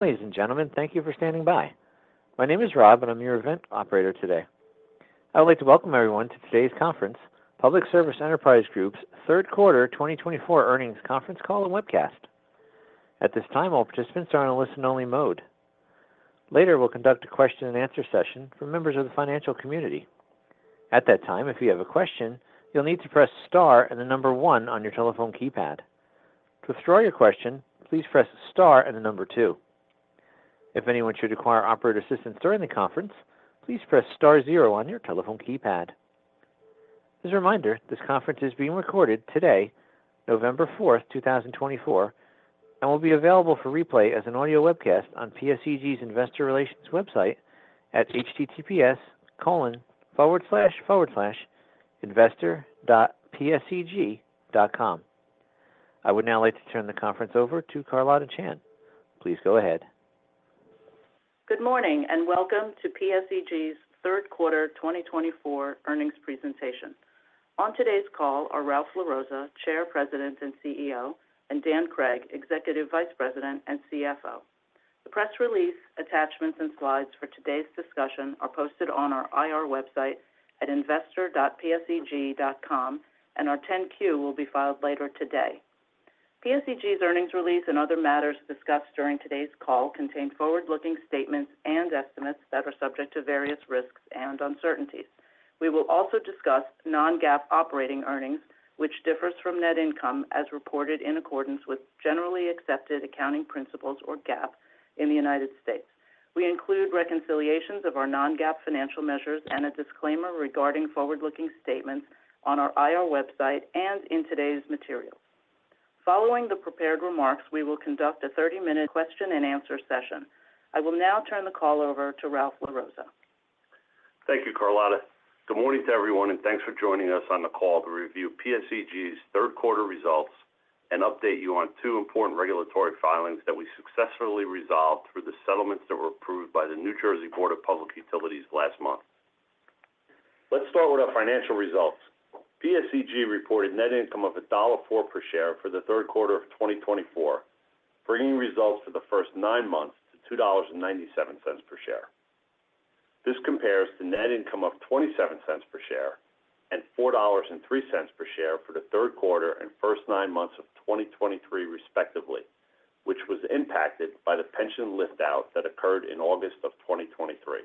Ladies and gentlemen, thank you for standing by. My name is Rob, and I'm your event operator today. I would like to welcome everyone to today's conference, Public Service Enterprise Group's Third Quarter 2024 Earnings Conference Call and Webcast. At this time, all participants are in a listen-only mode. Later, we'll conduct a question and answer session for members of the financial community. At that time, if you have a question, you'll need to press star and the number one on your telephone keypad. To withdraw your question, please press star and the number two. If anyone should require operator assistance during the conference, please press star zero on your telephone keypad. As a reminder, this conference is being recorded today, November 4th, 2024, and will be available for replay as an audio webcast on PSEG's Investor Relations website at https://investor.pseg.com. I would now like to turn the conference over to Carlotta Chan. Please go ahead. Good morning and welcome to PSEG's Third Quarter 2024 Earnings Presentation. On today's call are Ralph LaRossa, Chair, President, and CEO, and Dan Cregg, Executive Vice President and CFO. The press release, attachments, and slides for today's discussion are posted on our IR website at investor.pseg.com, and our 10-Q will be filed later today. PSEG's earnings release and other matters discussed during today's call contain forward-looking statements and estimates that are subject to various risks and uncertainties. We will also discuss non-GAAP operating earnings, which differs from net income as reported in accordance with generally accepted accounting principles, or GAAP, in the United States. We include reconciliations of our non-GAAP financial measures and a disclaimer regarding forward-looking statements on our IR website and in today's material. Following the prepared remarks, we will conduct a 30-minute question and answer session. I will now turn the call over to Ralph LaRossa. Thank you, Carlotta. Good morning to everyone, and thanks for joining us on the call to review PSEG's third quarter results and update you on two important regulatory filings that we successfully resolved through the settlements that were approved by the New Jersey Board of Public Utilities last month. Let's start with our financial results. PSEG reported net income of $1.04 per share for the third quarter of 2024, bringing results for the first nine months to $2.97 per share. This compares to net income of $0.27 per share and $4.03 per share for the third quarter and first nine months of 2023, respectively, which was impacted by the pension lift-out that occurred in August of 2023.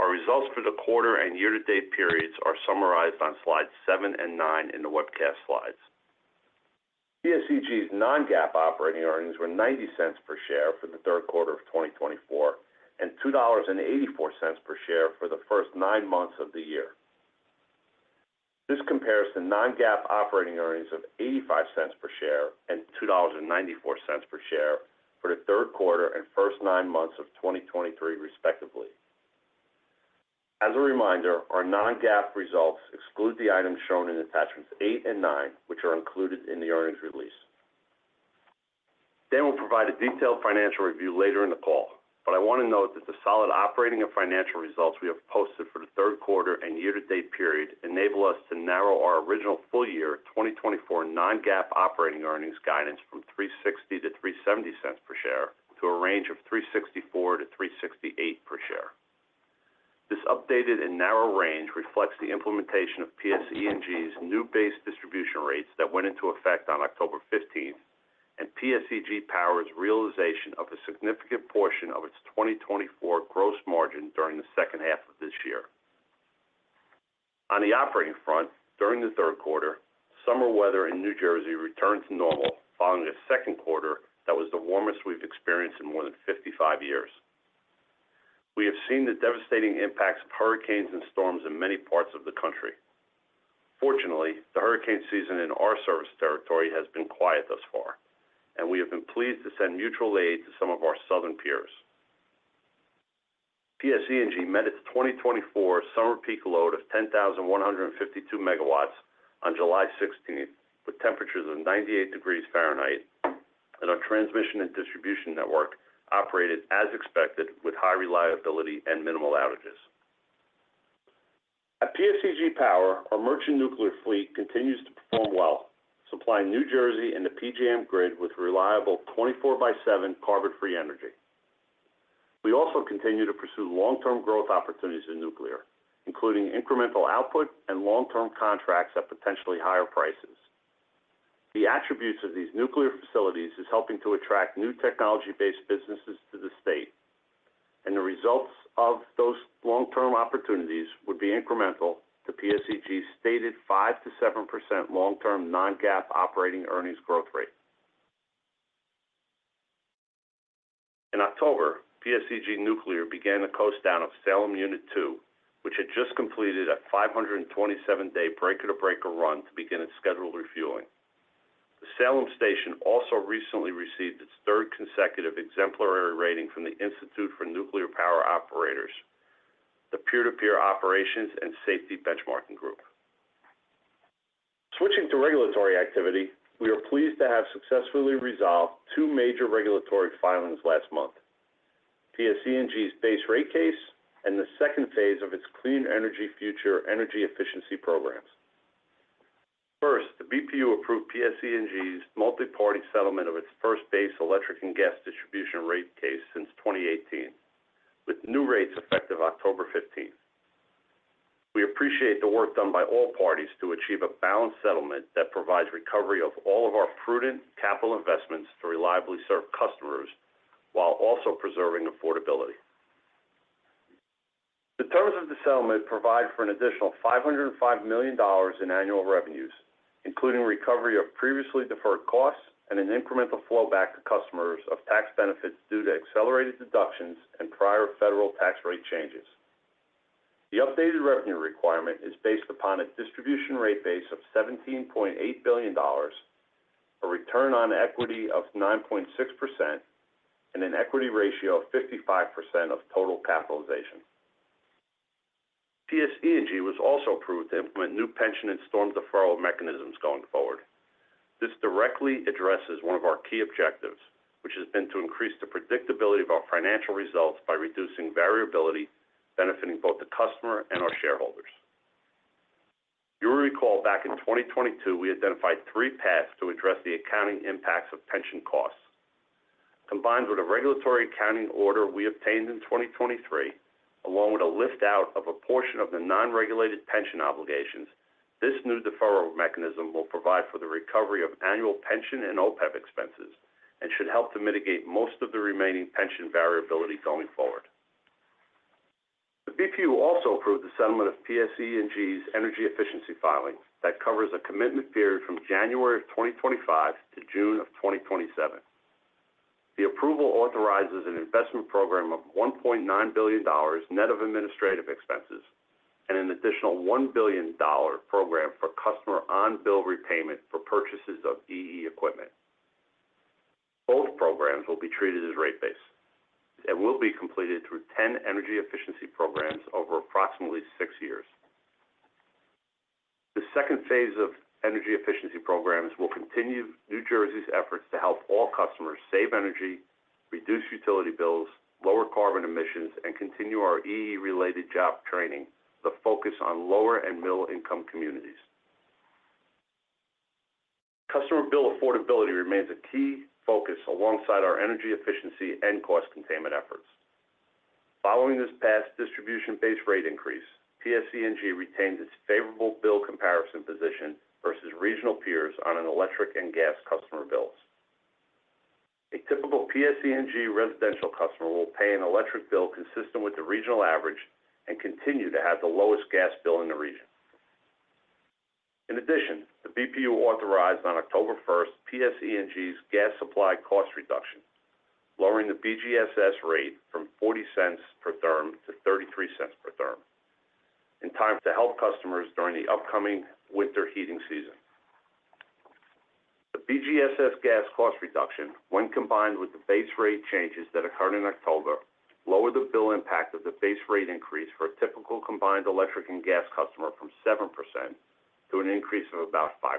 Our results for the quarter and year-to-date periods are summarized on slides seven and nine in the webcast slides. PSEG's non-GAAP operating earnings were $0.90 per share for the third quarter of 2024 and $2.84 per share for the first nine months of the year. This compares to non-GAAP operating earnings of $0.85 per share and $2.94 per share for the third quarter and first nine months of 2023, respectively. As a reminder, our non-GAAP results exclude the items shown in attachments 8 and 9, which are included in the earnings release. Dan will provide a detailed financial review later in the call, but I want to note that the solid operating and financial results we have posted for the third quarter and year-to-date period enable us to narrow our original full-year 2024 non-GAAP operating earnings guidance from $3.60-$3.70 per share to a range of $3.64-$3.68 per share. This updated and narrow range reflects the implementation of PSE&G's new base distribution rates that went into effect on October 15th, and PSEG Power's realization of a significant portion of its 2024 gross margin during the second half of this year. On the operating front, during the third quarter, summer weather in New Jersey returned to normal following a second quarter that was the warmest we've experienced in more than 55 years. We have seen the devastating impacts of hurricanes and storms in many parts of the country. Fortunately, the hurricane season in our service territory has been quiet thus far, and we have been pleased to send mutual aid to some of our southern peers. PSEG met its 2024 summer peak load of 10,152 megawatts on July 16th with temperatures of 98 degrees Fahrenheit, and our transmission and distribution network operated as expected with high reliability and minimal outages. At PSEG Power, our merchant nuclear fleet continues to perform well, supplying New Jersey and the PJM grid with reliable 24 by 7 carbon-free energy. We also continue to pursue long-term growth opportunities in nuclear, including incremental output and long-term contracts at potentially higher prices. The attributes of these nuclear facilities are helping to attract new technology-based businesses to the state, and the results of those long-term opportunities would be incremental to PSEG's stated 5%-7% long-term non-GAAP operating earnings growth rate. In October, PSEG Nuclear began the coast down of Salem Unit 2, which had just completed a 527-day breaker-to-breaker run to begin its scheduled refueling. The Salem station also recently received its third consecutive exemplary rating from the Institute of Nuclear Power Operations, the peer-to-peer operations and safety benchmarking group. Switching to regulatory activity, we are pleased to have successfully resolved two major regulatory filings last month: PSE&G's base rate case and the second phase of its Clean Energy Future energy efficiency programs. First, the BPU approved PSE&G's multi-party settlement of its first base electric and gas distribution rate case since 2018, with new rates effective October 15th. We appreciate the work done by all parties to achieve a balanced settlement that provides recovery of all of our prudent capital investments to reliably serve customers while also preserving affordability. The terms of the settlement provide for an additional $505 million in annual revenues, including recovery of previously deferred costs and an incremental flow back to customers of tax benefits due to accelerated deductions and prior federal tax rate changes. The updated revenue requirement is based upon a distribution rate base of $17.8 billion, a return on equity of 9.6%, and an equity ratio of 55% of total capitalization. PSE&G was also approved to implement new pension and storm deferral mechanisms going forward. This directly addresses one of our key objectives, which has been to increase the predictability of our financial results by reducing variability benefiting both the customer and our shareholders. You will recall back in 2022, we identified three paths to address the accounting impacts of pension costs. Combined with a regulatory accounting order we obtained in 2023, along with a lift-out of a portion of the non-regulated pension obligations, this new deferral mechanism will provide for the recovery of annual pension and OPEB expenses and should help to mitigate most of the remaining pension variability going forward. The BPU also approved the settlement of PSE&G's energy efficiency filing that covers a commitment period from January of 2025 to June of 2027. The approval authorizes an investment program of $1.9 billion net of administrative expenses and an additional $1 billion program for customer on-bill repayment for purchases of EE equipment. Both programs will be treated as rate-based and will be completed through 10 energy efficiency programs over approximately six years. The second phase of energy efficiency programs will continue New Jersey's efforts to help all customers save energy, reduce utility bills, lower carbon emissions, and continue our EE-related job training with a focus on lower and middle-income communities. Customer bill affordability remains a key focus alongside our energy efficiency and cost containment efforts. Following this past distribution-based rate increase, PSE&G retains its favorable bill comparison position versus regional peers on electric and gas customer bills. A typical PSE&G residential customer will pay an electric bill consistent with the regional average and continue to have the lowest gas bill in the region. In addition, the BPU authorized on October 1st PSE&G's gas supply cost reduction, lowering the BGSS rate from $0.40 per therm to $0.33 per therm in time to help customers during the upcoming winter heating season. The BGSS gas cost reduction, when combined with the base rate changes that occurred in October, lowered the bill impact of the base rate increase for a typical combined electric and gas customer from 7% to an increase of about 5%.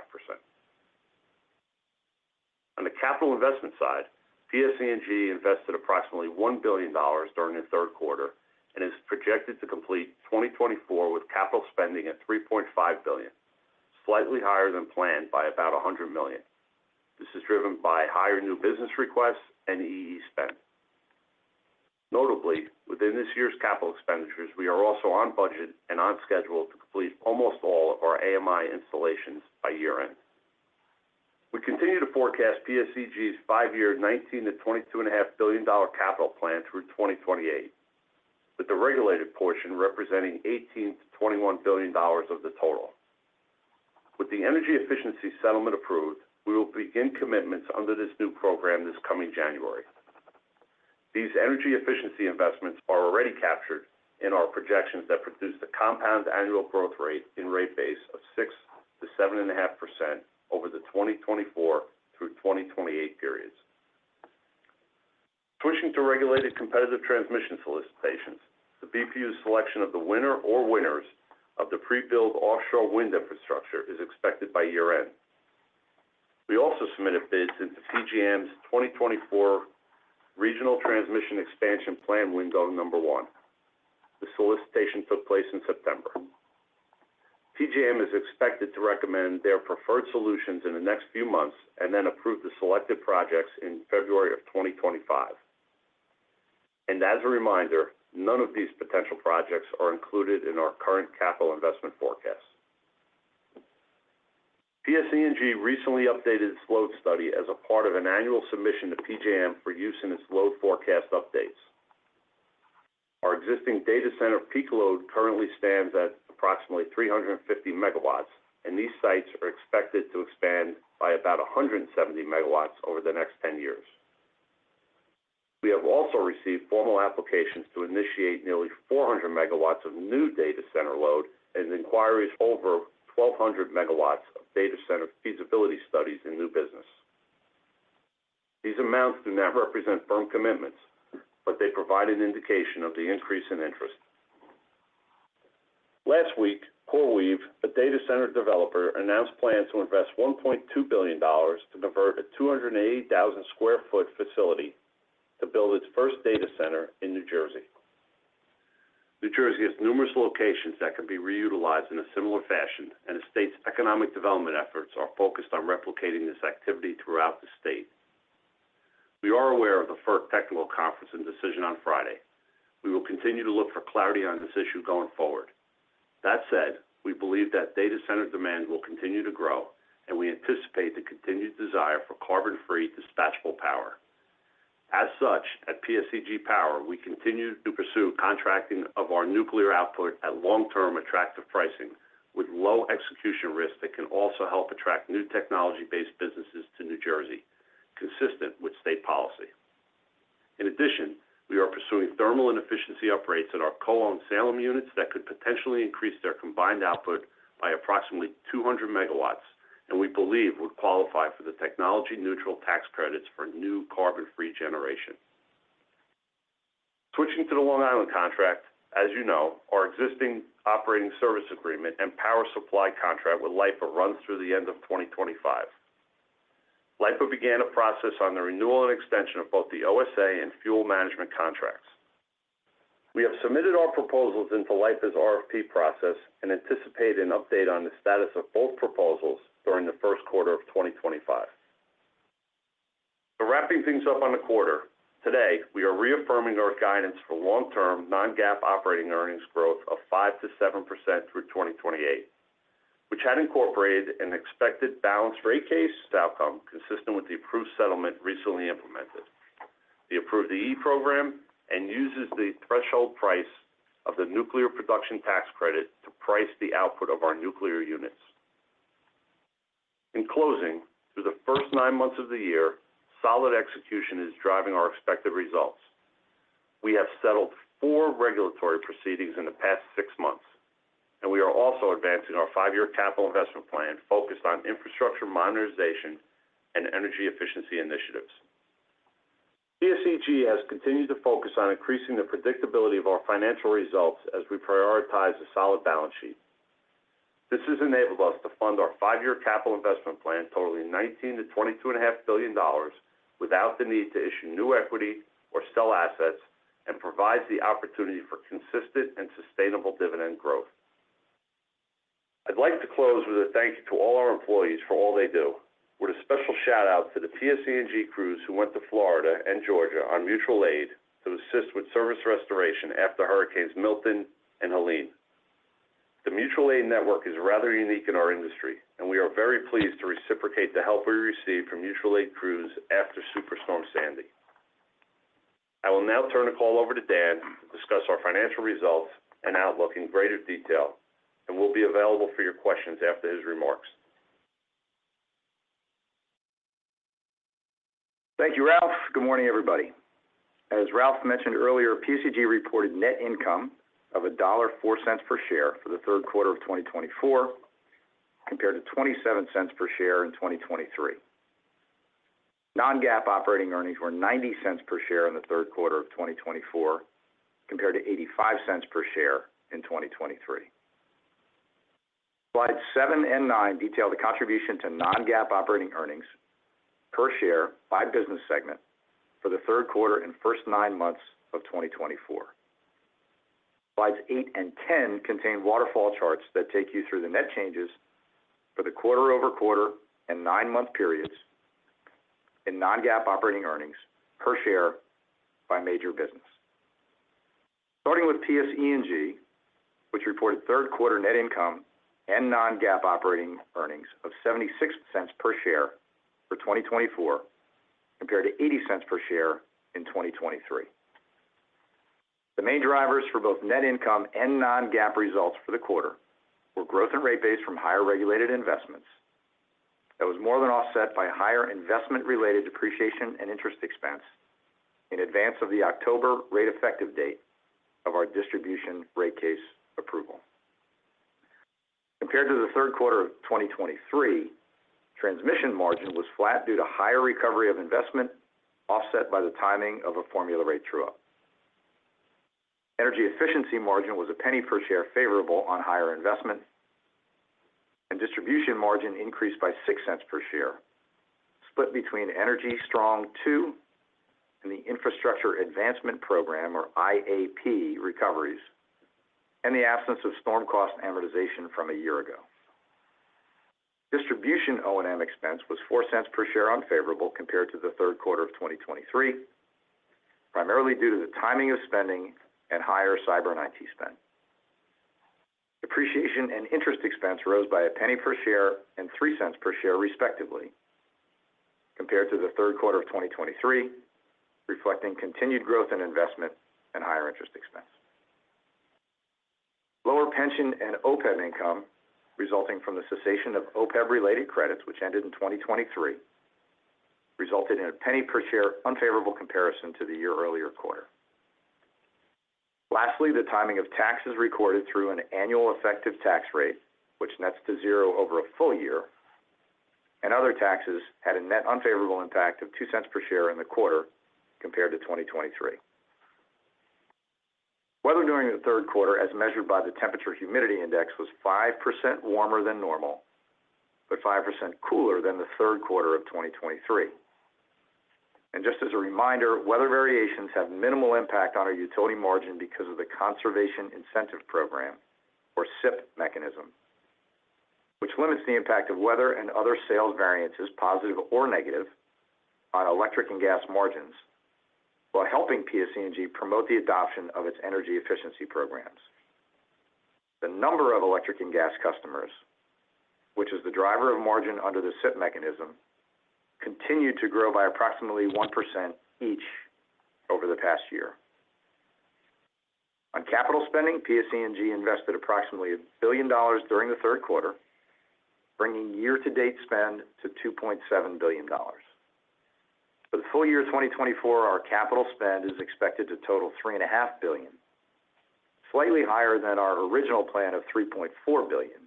On the capital investment side, PSE&G invested approximately $1 billion during the third quarter and is projected to complete 2024 with capital spending at $3.5 billion, slightly higher than planned by about $100 million. This is driven by higher new business requests and EE spend. Notably, within this year's capital expenditures, we are also on budget and on schedule to complete almost all of our AMI installations by year-end. We continue to forecast PSEG's five-year $19 billion-$22.5 billion capital plan through 2028, with the regulated portion representing $18 billion-$21 billion of the total. With the energy efficiency settlement approved, we will begin commitments under this new program this coming January. These energy efficiency investments are already captured in our projections that produce the compound annual growth rate in rate base of 6%-7.5% over the 2024 through 2028 periods. Switching to regulated competitive transmission solicitations, the BPU selection of the winner or winners of the pre-build offshore wind infrastructure is expected by year-end. We also submitted bids into PJM's 2024 Regional Transmission Expansion Plan Window 1. The solicitation took place in September. PJM is expected to recommend their preferred solutions in the next few months and then approve the selected projects in February of 2025. And as a reminder, none of these potential projects are included in our current capital investment forecast, PSE&G recently updated its load study as a part of an annual submission to PJM for use in its load forecast updates. Our existing data center peak load currently stands at approximately 350 megawatts, and these sites are expected to expand by about 170 megawatts over the next 10 years. We have also received formal applications to initiate nearly 400 megawatts of new data center load and inquiries over 1,200 megawatts of data center feasibility studies in new business. These amounts do not represent firm commitments, but they provide an indication of the increase in interest. Last week, CoreWeave, a data center developer, announced plans to invest $1.2 billion to convert a 280,000 sq ft facility to build its first data center in New Jersey. New Jersey has numerous locations that can be reutilized in a similar fashion, and the state's economic development efforts are focused on replicating this activity throughout the state. We are aware of the FERC technical conference and decision on Friday. We will continue to look for clarity on this issue going forward. That said, we believe that data center demand will continue to grow, and we anticipate the continued desire for carbon-free dispatchable power. As such, at PSEG Power, we continue to pursue contracting of our nuclear output at long-term attractive pricing with low execution risk that can also help attract new technology-based businesses to New Jersey, consistent with state policy. In addition, we are pursuing thermal efficiency upgrades in our co-owned Salem units that could potentially increase their combined output by approximately 200 megawatts, and we believe would qualify for the technology-neutral tax credits for new carbon-free generation. Switching to the Long Island contract, as you know, our existing operating service agreement and power supply contract with LIPA runs through the end of 2025. LIPA began a process on the renewal and extension of both the OSA and fuel management contracts. We have submitted our proposals into LIPA's RFP process and anticipate an update on the status of both proposals during the first quarter of 2025. So wrapping things up on the quarter, today we are reaffirming our guidance for long-term non-GAAP operating earnings growth of 5%-7% through 2028, which had incorporated an expected balanced rate case outcome consistent with the approved settlement recently implemented. We approved the EE program and use the threshold price of the nuclear production tax credit to price the output of our nuclear units. In closing, through the first nine months of the year, solid execution is driving our expected results. We have settled four regulatory proceedings in the past six months, and we are also advancing our five-year capital investment plan focused on infrastructure modernization and energy efficiency initiatives. PSEG has continued to focus on increasing the predictability of our financial results as we prioritize a solid balance sheet. This has enabled us to fund our five-year capital investment plan totaling $19 billion-$22.5 billion without the need to issue new equity or sell assets and provides the opportunity for consistent and sustainable dividend growth. I'd like to close with a thank you to all our employees for all they do, with a special shout-out to the PSE&G crews who went to Florida and Georgia on Mutual Aid to assist with service restoration after Hurricanes Milton and Helene. The Mutual Aid network is rather unique in our industry, and we are very pleased to reciprocate the help we received from Mutual Aid crews after Superstorm Sandy. I will now turn the call over to Dan to discuss our financial results and outlook in greater detail, and we'll be available for your questions after his remarks. Thank you, Ralph. Good morning, everybody. As Ralph mentioned earlier, PSEG reported net income of $1.04 per share for the third quarter of 2024 compared to $0.27 per share in 2023. Non-GAAP operating earnings were $0.90 per share in the third quarter of 2024 compared to $0.85 per share in 2023. Slides 7 and 9 detail the contribution to non-GAAP operating earnings per share by business segment for the third quarter and first nine months of 2024. Slides 8 and 10 contain waterfall charts that take you through the net changes for the quarter-over-quarter and nine-month periods in non-GAAP operating earnings per share by major business. Starting with PSE&G, which reported third-quarter net income and non-GAAP operating earnings of $0.76 per share for 2024 compared to $0.80 per share in 2023. The main drivers for both net income and non-GAAP results for the quarter were growth and rate base from higher regulated investments. That was more than offset by higher investment-related depreciation and interest expense in advance of the October rate-effective date of our distribution rate case approval. Compared to the third quarter of 2023, transmission margin was flat due to higher recovery of investment offset by the timing of a formula rate true-up. Energy efficiency margin was $0.01 per share favorable on higher investment, and distribution margin increased by $0.06 per share, split between Energy Strong II and the Infrastructure Advancement Program, or IAP, recoveries, and the absence of storm cost amortization from a year ago. Distribution O&M expense was $0.04 per share unfavorable compared to the third quarter of 2023, primarily due to the timing of spending and higher cyber and IT spend. Depreciation and interest expense rose by $0.01 per share and $0.03 per share, respectively, compared to the third quarter of 2023, reflecting continued growth in investment and higher interest expense. Lower pension and OPEB income resulting from the cessation of OPEB-related credits, which ended in 2023, resulted in $0.01 per share unfavorable comparison to the year-earlier quarter. Lastly, the timing of taxes recorded through an annual effective tax rate, which nets to zero over a full year, and other taxes had a net unfavorable impact of $0.02 per share in the quarter compared to 2023. Weather during the third quarter, as measured by the temperature humidity index, was 5% warmer than normal, but 5% cooler than the third quarter of 2023. Just as a reminder, weather variations have minimal impact on our utility margin because of the Conservation Incentive Program, or CIP mechanism, which limits the impact of weather and other sales variances, positive or negative, on electric and gas margins while helping PSE&G promote the adoption of its energy efficiency programs. The number of electric and gas customers, which is the driver of margin under the CIP mechanism, continued to grow by approximately 1% each over the past year. On capital spending, PSE&G invested approximately $1 billion during the third quarter, bringing year-to-date spend to $2.7 billion. For the full year of 2024, our capital spend is expected to total $3.5 billion, slightly higher than our original plan of $3.4 billion,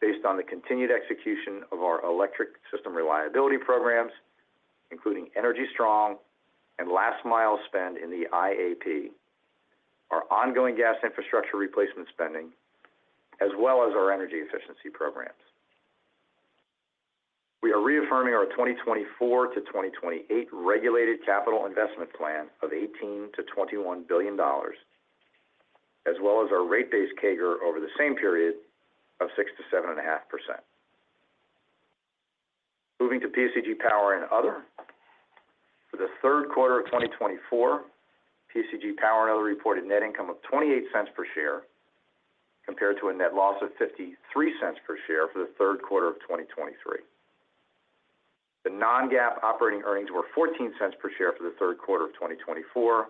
based on the continued execution of our electric system reliability programs, including Energy Strong and last-mile spend in the IAP, our ongoing gas infrastructure replacement spending, as well as our energy efficiency programs. We are reaffirming our 2024-2028 regulated capital investment plan of $18 billion-$21 billion, as well as our rate-based CAGR over the same period of 6%-7.5%. Moving to PSEG Power & Other. For the third quarter of 2024, PSEG Power & Other reported net income of $0.28 per share compared to a net loss of $0.53 per share for the third quarter of 2023. The Non-GAAP operating earnings were $0.14 per share for the third quarter of 2024,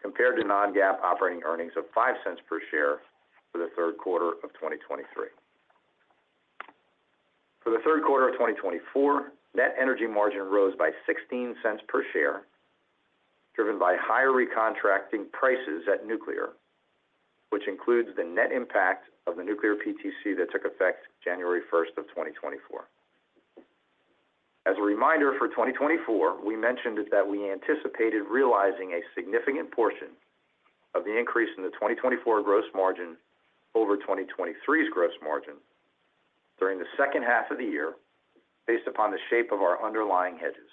compared to Non-GAAP operating earnings of $0.05 per share for the third quarter of 2023. For the third quarter of 2024, net energy margin rose by $0.16 per share, driven by higher recontracting prices at nuclear, which includes the net impact of the nuclear PTC that took effect January 1st of 2024. As a reminder for 2024, we mentioned that we anticipated realizing a significant portion of the increase in the 2024 gross margin over 2023's gross margin during the second half of the year, based upon the shape of our underlying hedges.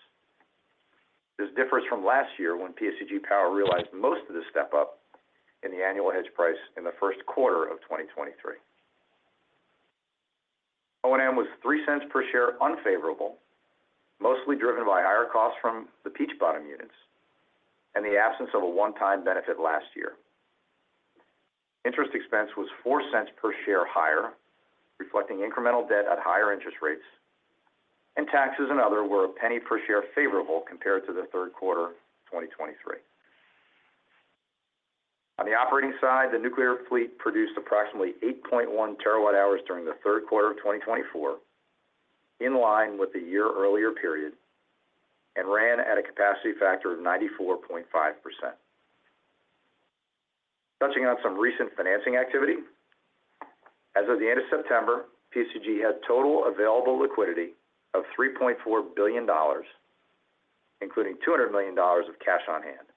This differs from last year when PSEG Power realized most of the step-up in the annual hedge price in the first quarter of 2023. O&M was $0.03 per share unfavorable, mostly driven by higher costs from the Peach Bottom units and the absence of a one-time benefit last year. Interest expense was $0.04 per share higher, reflecting incremental debt at higher interest rates, and taxes and other were $0.01 per share favorable compared to the third quarter of 2023. On the operating side, the nuclear fleet produced approximately 8.1 terawatt hours during the third quarter of 2024, in line with the year-earlier period, and ran at a capacity factor of 94.5%. Touching on some recent financing activity, as of the end of September, PSEG had total available liquidity of $3.4 billion, including $200 million of cash on hand.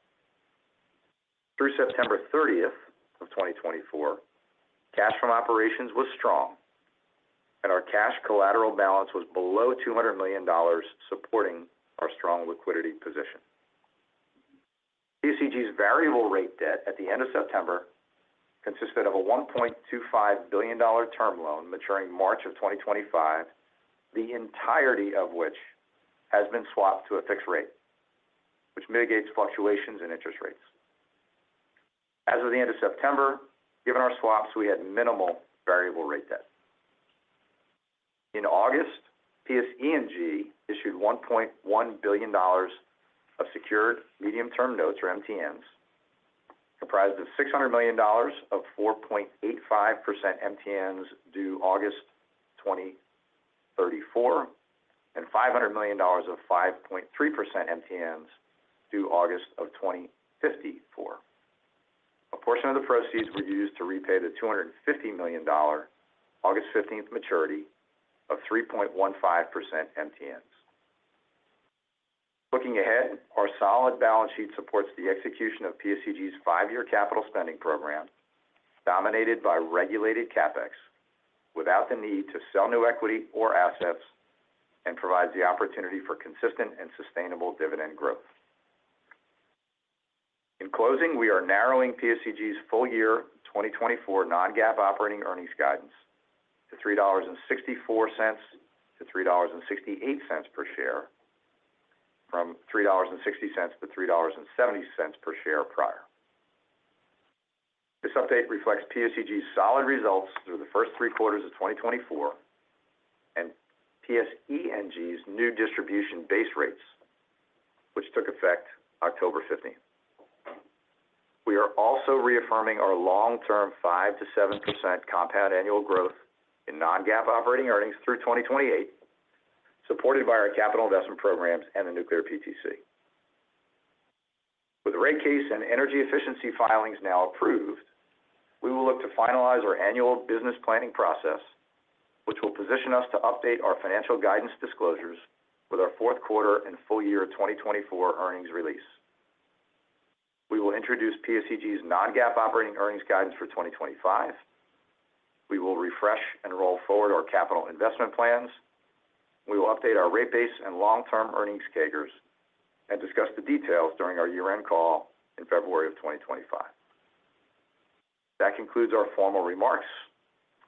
Through September 30th of 2024, cash from operations was strong, and our cash collateral balance was below $200 million, supporting our strong liquidity position. PSEG's variable rate debt at the end of September consisted of a $1.25 billion term loan maturing March of 2025, the entirety of which has been swapped to a fixed rate, which mitigates fluctuations in interest rates. As of the end of September, given our swaps, we had minimal variable rate debt. In August, PSE&G issued $1.1 billion of secured medium-term notes, or MTNs, comprised of $600 million of 4.85% MTNs due August 2034 and $500 million of 5.3% MTNs due August of 2054. A portion of the proceeds were used to repay the $250 million August 15th maturity of 3.15% MTNs. Looking ahead, our solid balance sheet supports the execution of PSEG's five-year capital spending program, dominated by regulated CapEx, without the need to sell new equity or assets and provides the opportunity for consistent and sustainable dividend growth. In closing, we are narrowing PSEG's full year 2024 non-GAAP operating earnings guidance to $3.64-$3.68 per share from $3.60-$3.70 per share prior. This update reflects PSEG's solid results through the first three quarters of 2024 and PSE&G's new distribution base rates, which took effect October 15th. We are also reaffirming our long-term 5%-7% compound annual growth in non-GAAP operating earnings through 2028, supported by our capital investment programs and the nuclear PTC. With the rate case and energy efficiency filings now approved, we will look to finalize our annual business planning process, which will position us to update our financial guidance disclosures with our fourth quarter and full year 2024 earnings release. We will introduce PSEG's non-GAAP operating earnings guidance for 2025. We will refresh and roll forward our capital investment plans. We will update our rate base and long-term earnings CAGRs and discuss the details during our year-end call in February of 2025. That concludes our formal remarks,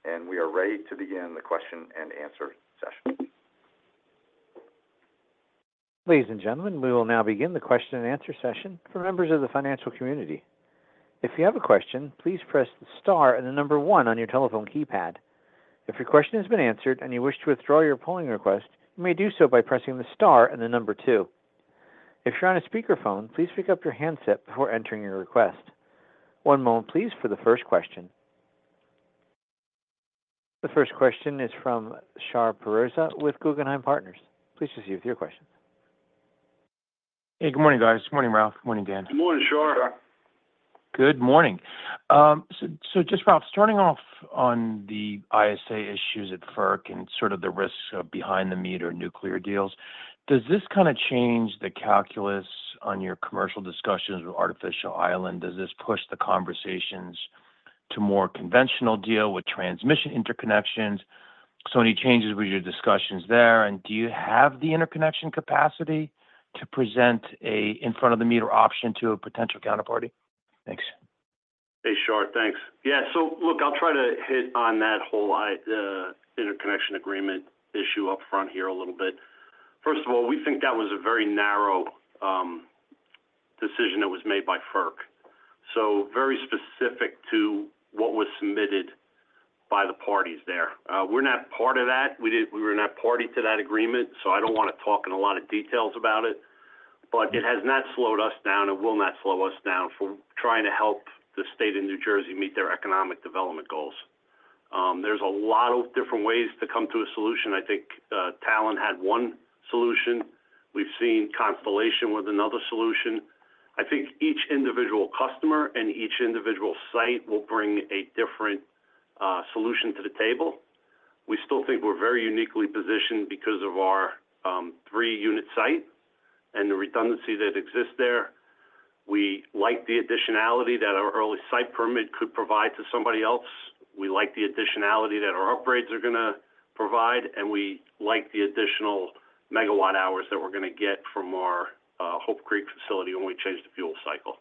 and we are ready to begin the question and answer session. Ladies and gentlemen, we will now begin the question and answer session for members of the financial community. If you have a question, please press the star and the number one on your telephone keypad. If your question has been answered and you wish to withdraw your polling request, you may do so by pressing the star and the number two. If you're on a speakerphone, please pick up your handset before entering your request. One moment, please, for the first question. The first question is from Shar Pourreza with Guggenheim Partners. Please proceed with your questions. Hey, good morning, guys. Good morning, Ralph. Good morning, Dan. Good morning, Shar. Good morning. So just, Ralph, starting off on the ISA issues at FERC and sort of the risks behind the meter nuclear deals, does this kind of change the calculus on your commercial discussions with Artificial Island? Does this push the conversations to more conventional deal with transmission interconnections? So any changes with your discussions there? And do you have the interconnection capacity to present an in-front-of-the-meter option to a potential counterparty? Thanks. Hey, Shar. Thanks. Yeah. So look, I'll try to hit on that whole interconnection agreement issue upfront here a little bit. First of all, we think that was a very narrow decision that was made by FERC, so very specific to what was submitted by the parties there. We're not part of that. We were not party to that agreement, so I don't want to talk in a lot of details about it. But it has not slowed us down. It will not slow us down for trying to help the state of New Jersey meet their economic development goals. There's a lot of different ways to come to a solution. I think Talen had one solution. We've seen Constellation with another solution. I think each individual customer and each individual site will bring a different solution to the table. We still think we're very uniquely positioned because of our three-unit site and the redundancy that exists there. We like the additionality that our early site permit could provide to somebody else. We like the additionality that our upgrades are going to provide, and we like the additional megawatt hours that we're going to get from our Hope Creek facility when we change the fuel cycle.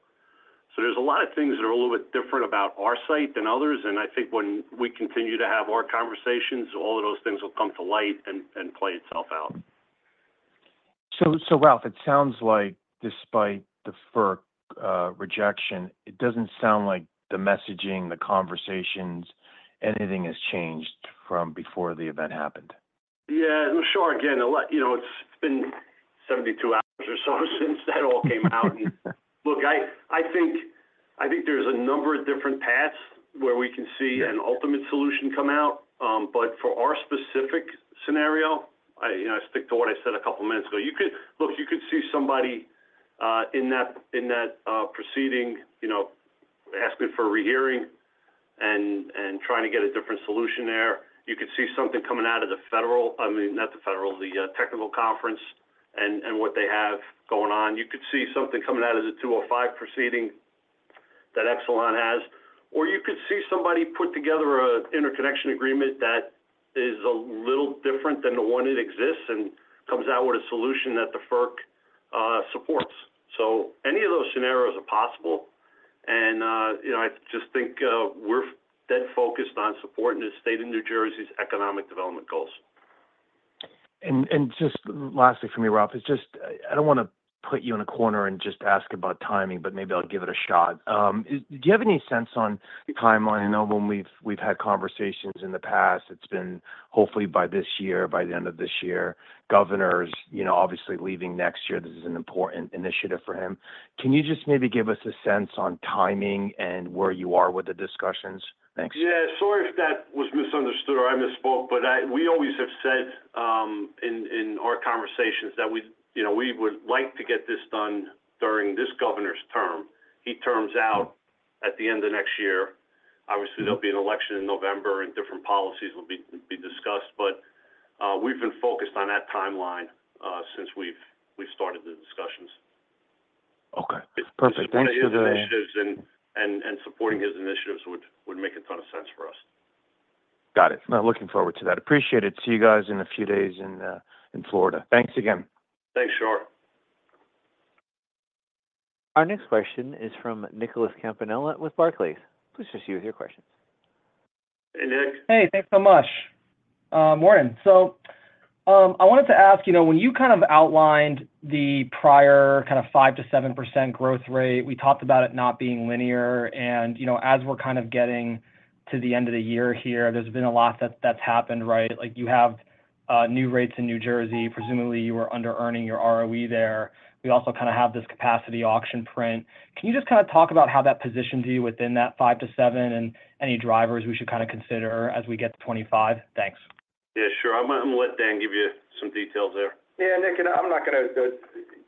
So there's a lot of things that are a little bit different about our site than others. And I think when we continue to have our conversations, all of those things will come to light and play itself out. So Ralph, it sounds like despite the FERC rejection, it doesn't sound like the messaging, the conversations, anything has changed from before the event happened? Yeah. Well, sure. Again, it's been 72 hours or so since that all came out. Look, I think there's a number of different paths where we can see an ultimate solution come out. But for our specific scenario, I stick to what I said a couple of minutes ago. Look, you could see somebody in that proceeding asking for a rehearing and trying to get a different solution there. You could see something coming out of the federal, I mean, not the federal, the technical conference and what they have going on. You could see something coming out of the 205 proceeding that Exelon has. Or you could see somebody put together an interconnection agreement that is a little different than the one that exists and comes out with a solution that the FERC supports. So any of those scenarios are possible. I just think we're dead focused on supporting the state of New Jersey's economic development goals. And just lastly for me, Ralph, it's just I don't want to put you in a corner and just ask about timing, but maybe I'll give it a shot. Do you have any sense on timeline? I know when we've had conversations in the past, it's been hopefully by this year, by the end of this year. Governor's obviously leaving next year. This is an important initiative for him. Can you just maybe give us a sense on timing and where you are with the discussions? Thanks. Yeah. Sorry if that was misunderstood or I misspoke, but we always have said in our conversations that we would like to get this done during this governor's term. He terms out at the end of next year. Obviously, there'll be an election in November, and different policies will be discussed. But we've been focused on that timeline since we've started the discussions. Okay. Perfect. Thanks for the. And his initiatives and supporting his initiatives would make a ton of sense for us. Got it. Looking forward to that. Appreciate it. See you guys in a few days in Florida. Thanks again. Thanks, Shar. Our next question is from Nicholas Campanella with Barclays. Please proceed with your questions. Hey, Nick. Hey. Thanks so much. Morning. So I wanted to ask, when you kind of outlined the prior kind of 5%-7% growth rate, we talked about it not being linear. And as we're kind of getting to the end of the year here, there's been a lot that's happened, right? You have new rates in New Jersey. Presumably, you were under-earning your ROE there. We also kind of have this capacity auction print. Can you just kind of talk about how that positions you within that 5 to 7 and any drivers we should kind of consider as we get to 25? Thanks. Yeah. Sure. I'm going to let Dan give you some details there. Yeah. Nick, I'm not going to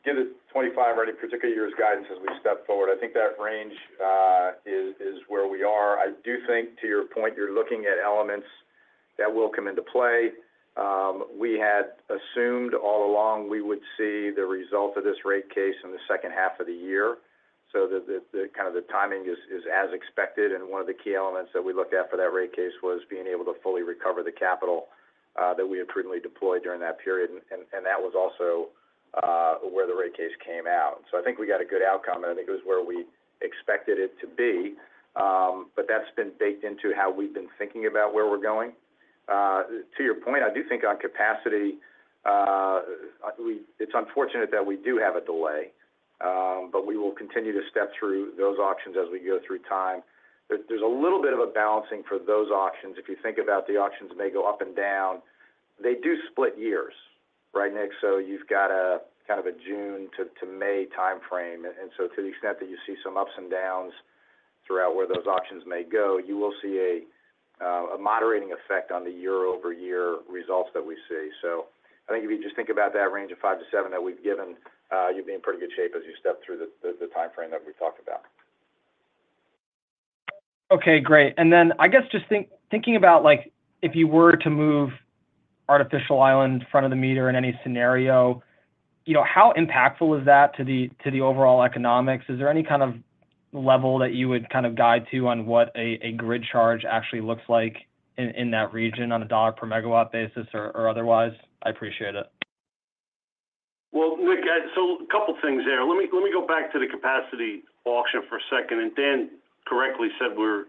give the 25 or any particular year's guidance as we step forward. I think that range is where we are. I do think, to your point, you're looking at elements that will come into play. We had assumed all along we would see the result of this rate case in the second half of the year. So kind of the timing is as expected, and one of the key elements that we looked at for that rate case was being able to fully recover the capital that we had previously deployed during that period. And that was also where the rate case came out. So I think we got a good outcome, and I think it was where we expected it to be. But that's been baked into how we've been thinking about where we're going. To your point, I do think on capacity, it's unfortunate that we do have a delay, but we will continue to step through those auctions as we go through time. There's a little bit of a balancing for those auctions. If you think about the auctions may go up and down, they do split years, right, Nick? So you've got a kind of a June to May timeframe. And so to the extent that you see some ups and downs throughout where those auctions may go, you will see a moderating effect on the year-over-year results that we see. So I think if you just think about that range of five to seven that we've given, you'll be in pretty good shape as you step through the timeframe that we talked about. Okay. Great. And then I guess just thinking about if you were to move Artificial Island in front of the meter in any scenario, how impactful is that to the overall economics? Is there any kind of level that you would kind of guide to on what a grid charge actually looks like in that region on a dollar per megawatt basis or otherwise? I appreciate it. Well, Nick, so a couple of things there. Let me go back to the capacity auction for a second. And Dan correctly said we're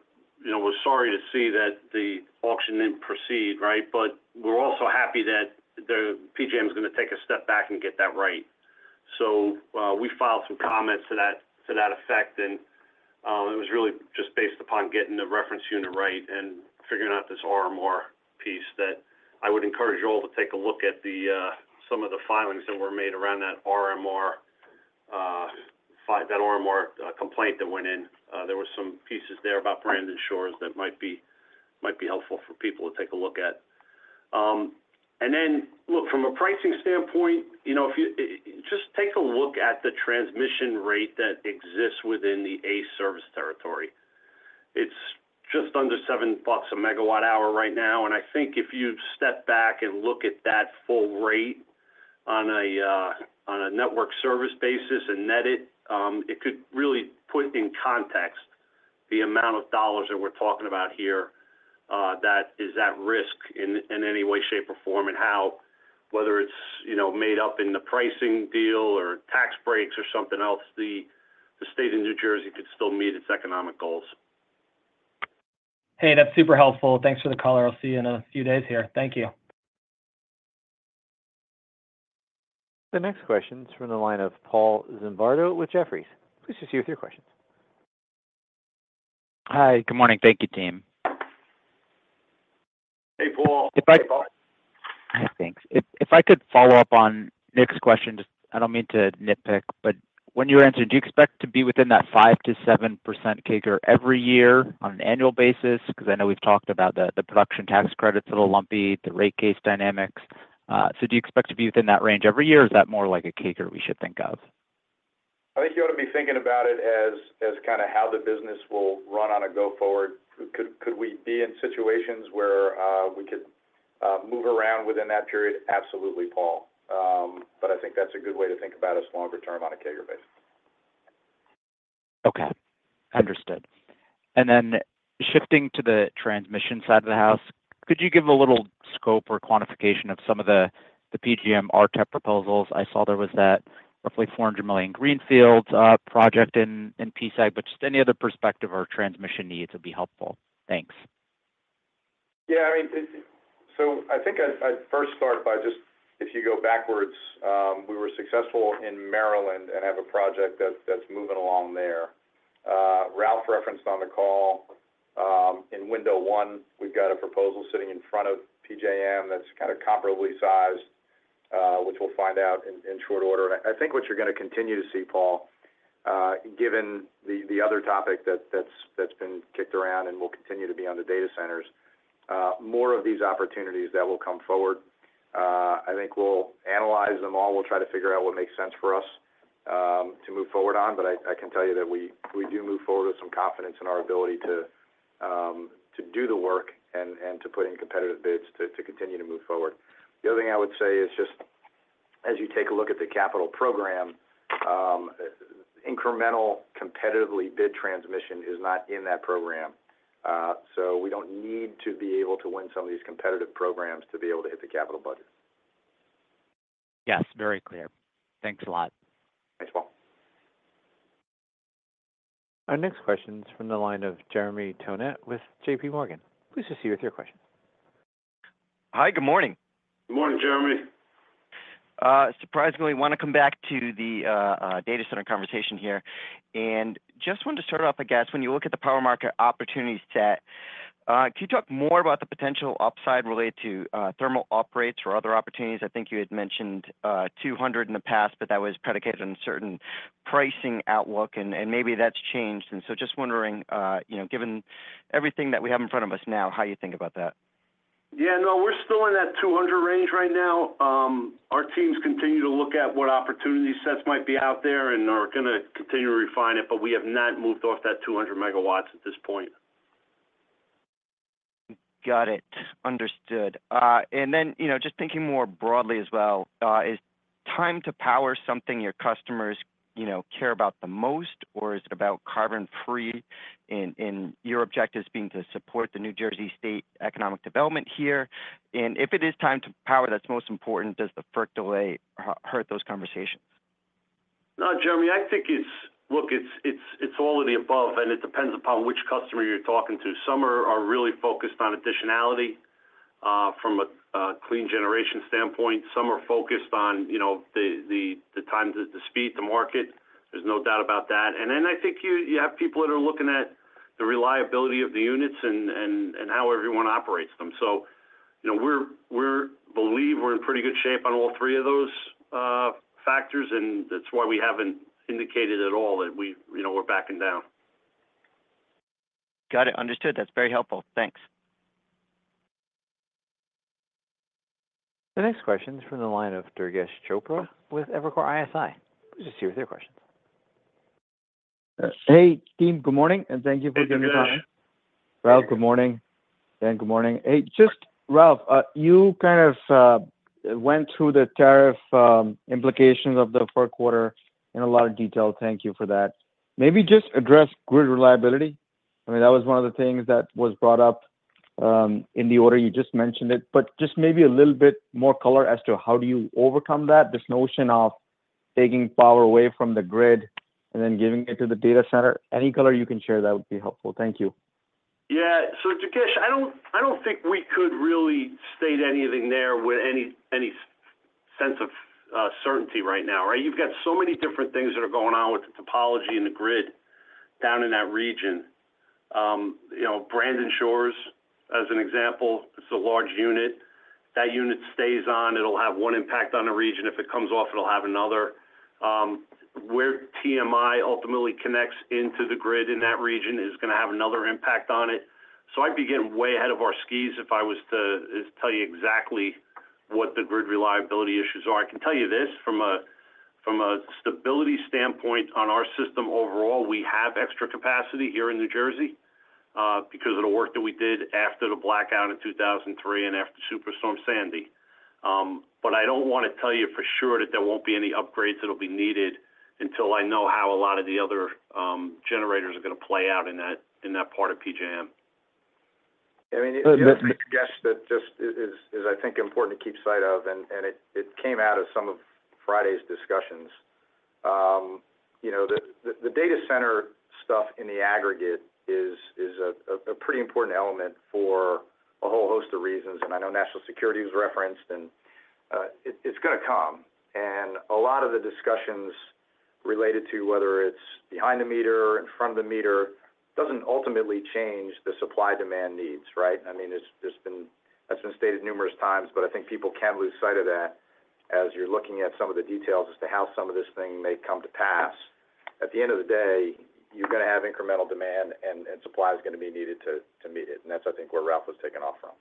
sorry to see that the auction didn't proceed, right? But we're also happy that the PJM is going to take a step back and get that right. So we filed some comments to that effect, and it was really just based upon getting the reference unit right and figuring out this RMR piece that I would encourage you all to take a look at some of the filings that were made around that RMR complaint that went in. There were some pieces there about Brandon Shores that might be helpful for people to take a look at. And then, look, from a pricing standpoint, just take a look at the transmission rate that exists within the A service territory. It's just under $7 a megawatt hour right now. And I think if you step back and look at that full rate on a network service basis and net it, it could really put in context the amount of dollars that we're talking about here that is at risk in any way, shape, or form, and how, whether it's made up in the pricing deal or tax breaks or something else, the state of New Jersey could still meet its economic goals. Hey, that's super helpful. Thanks for the call. I'll see you in a few days here. Thank you. The next question is from the line of Paul Zimbardo with Jefferies. Please proceed with your questions. Hi. Good morning. Thank you, team. Hey, Paul. Hey, Paul. Thanks. If I could follow up on Nick's question, I don't mean to nitpick, but when you were answering, do you expect to be within that 5%-7% CAGR every year on an annual basis? Because I know we've talked about the production tax credits, a little lumpy, the rate case dynamics. So do you expect to be within that range every year, or is that more like a CAGR we should think of? I think you ought to be thinking about it as kind of how the business will run on a go-forward. Could we be in situations where we could move around within that period? Absolutely, Paul. But I think that's a good way to think about us longer term on a CAGR basis. Okay. Understood. And then shifting to the transmission side of the house, could you give a little scope or quantification of some of the PJM RTEP proposals? I saw there was that roughly $400 million greenfield project in PSEG, but just any other perspective or transmission needs would be helpful. Thanks. Yeah. I mean, so I think I'd first start by just if you go backwards, we were successful in Maryland and have a project that's moving along there. Ralph referenced on the call. In Window 1, we've got a proposal sitting in front of PJM that's kind of comparably sized, which we'll find out in short order. And I think what you're going to continue to see, Paul, given the other topic that's been kicked around and will continue to be on the data centers, more of these opportunities that will come forward. I think we'll analyze them all. We'll try to figure out what makes sense for us to move forward on. But I can tell you that we do move forward with some confidence in our ability to do the work and to put in competitive bids to continue to move forward. The other thing I would say is just as you take a look at the capital program, incremental competitively bid transmission is not in that program. So we don't need to be able to win some of these competitive programs to be able to hit the capital budget. Yes. Very clear. Thanks a lot. Thanks, Paul. Our next question is from the line of Jeremy Tonet with JPMorgan. Please proceed with your question. Hi. Good morning. Good morning, Jeremy. Surprisingly, want to come back to the data center conversation here. And just wanted to start off, I guess, when you look at the power market opportunity set, can you talk more about the potential upside related to thermal uprates or other opportunities? I think you had mentioned 200 in the past, but that was predicated on certain pricing outlook, and maybe that's changed. And so just wondering, given everything that we have in front of us now, how you think about that? Yeah. No, we're still in that 200 range right now. Our teams continue to look at what opportunity sets might be out there and are going to continue to refine it, but we have not moved off that 200 megawatts at this point. Got it. Understood. And then, just thinking more broadly as well, is time to power something your customers care about the most, or is it about carbon-free in your objectives being to support the New Jersey state economic development here? And if it is time to power, that's most important. Does the FERC delay hurt those conversations? No, Jeremy. I think it's look, it's all of the above, and it depends upon which customer you're talking to. Some are really focused on additionality from a clean generation standpoint. Some are focused on the time to speed to market. There's no doubt about that. And then I think you have people that are looking at the reliability of the units and how everyone operates them. So we believe we're in pretty good shape on all three of those factors, and that's why we haven't indicated at all that we're backing down. Got it. Understood. That's very helpful. Thanks. The next question is from the line of Durgesh Chopra with Evercore ISI. Please proceed with your questions. Hey, team. Good morning, and thank you for joining the call. Ralph, good morning. Dan, good morning. Hey, just Ralph, you kind of went through the tariff implications of the fourth quarter in a lot of detail. Thank you for that. Maybe just address grid reliability. I mean, that was one of the things that was brought up in the order. You just mentioned it. But just maybe a little bit more color as to how do you overcome that, this notion of taking power away from the grid and then giving it to the data center. Any color you can share, that would be helpful. Thank you. Yeah. So Durgesh, I don't think we could really state anything there with any sense of certainty right now, right? You've got so many different things that are going on with the topology and the grid down in that region. Brandon Shores, as an example, it's a large unit. That unit stays on. It'll have one impact on the region. If it comes off, it'll have another. Where TMI ultimately connects into the grid in that region is going to have another impact on it. So I'd be getting way ahead of our skis if I was to tell you exactly what the grid reliability issues are. I can tell you this from a stability standpoint on our system overall, we have extra capacity here in New Jersey because of the work that we did after the blackout in 2003 and after Superstorm Sandy. But I don't want to tell you for sure that there won't be any upgrades that will be needed until I know how a lot of the other generators are going to play out in that part of PJM. I mean, it's a guess that just is, I think, important to keep sight of, and it came out of some of Friday's discussions. The data center stuff in the aggregate is a pretty important element for a whole host of reasons. And I know national security was referenced, and it's going to come. And a lot of the discussions related to whether it's behind the meter or in front of the meter doesn't ultimately change the supply-demand needs, right? I mean, that's been stated numerous times, but I think people can lose sight of that as you're looking at some of the details as to how some of this thing may come to pass. At the end of the day, you're going to have incremental demand, and supply is going to be needed to meet it, and that's, I think, where Ralph was taking off from.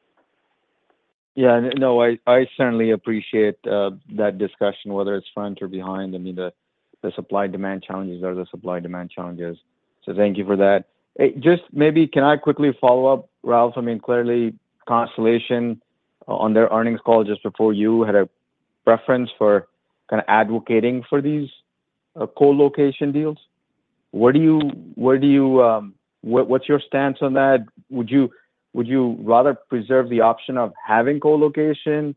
Yeah. No, I certainly appreciate that discussion, whether it's front or behind. I mean, the supply-demand challenges are the supply-demand challenges. So thank you for that. Just maybe can I quickly follow up, Ralph? I mean, clearly, Constellation on their earnings call just before you had a preference for kind of advocating for these co-location deals. What do you—what's your stance on that? Would you rather preserve the option of having co-location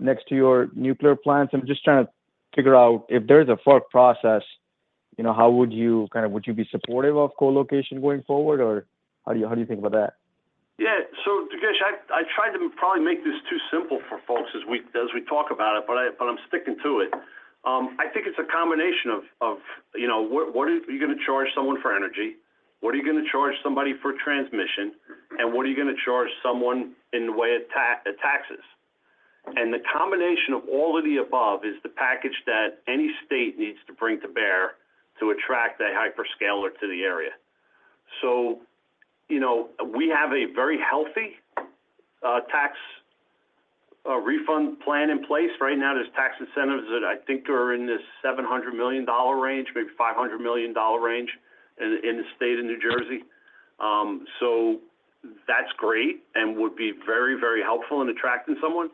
next to your nuclear plants? I'm just trying to figure out if there's a FERC process, how would you kind of, would you be supportive of co-location going forward, or how do you think about that? Yeah. So, Durgesh, I tried to probably make this too simple for folks as we talk about it, but I'm sticking to it. I think it's a combination of what are you going to charge someone for energy? What are you going to charge somebody for transmission? And what are you going to charge someone in the way of taxes? And the combination of all of the above is the package that any state needs to bring to bear to attract a hyperscaler to the area. So we have a very healthy tax refund plan in place. Right now, there's tax incentives that I think are in the $700 million range, maybe $500 million range in the state of New Jersey. So that's great and would be very, very helpful in attracting someone.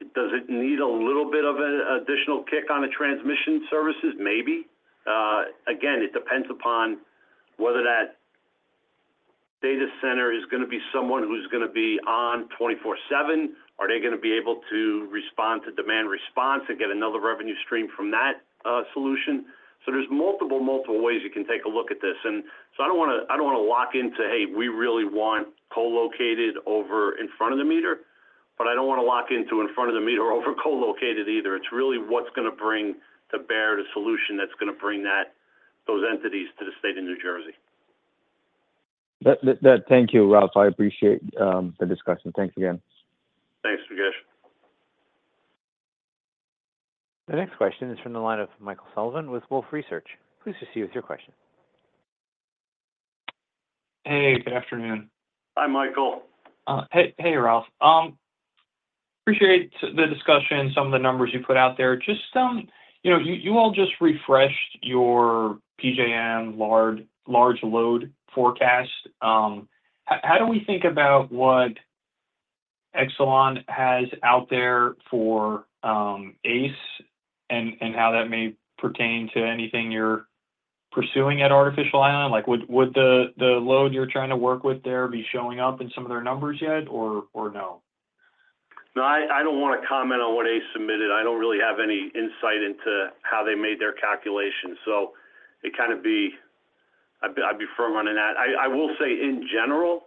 Does it need a little bit of an additional kick on the transmission services? Maybe. Again, it depends upon whether that data center is going to be someone who's going to be on 24/7. Are they going to be able to respond to demand response and get another revenue stream from that solution? So there's multiple, multiple ways you can take a look at this. And so I don't want to lock into, "Hey, we really want co-located over in front of the meter," but I don't want to lock into in front of the meter over co-located either. It's really what's going to bring to bear the solution that's going to bring those entities to the state of New Jersey. Thank you, Ralph. I appreciate the discussion. Thanks again. Thanks, Durgesh. The next question is from the line of Michael Sullivan with Wolfe Research. Please proceed with your question. Hey, good afternoon. Hi, Michael. Hey, Ralph. Appreciate the discussion, some of the numbers you put out there. Just you all refreshed your PJM large load forecast. How do we think about what Exelon has out there for ACE and how that may pertain to anything you're pursuing at Artificial Island? Would the load you're trying to work with there be showing up in some of their numbers yet, or no? No, I don't want to comment on what ACE submitted. I don't really have any insight into how they made their calculations. So, it'd kind of be. I'd be firm on that. I will say, in general,